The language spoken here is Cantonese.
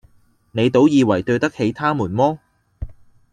你倒以爲對得起他們麼？”